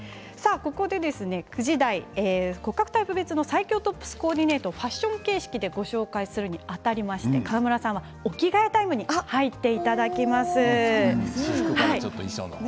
ここで９時台、骨格タイプ別の最強トップスのコーディネートを紹介するにあたって川村さんはお着替えタイムに入っていただきます。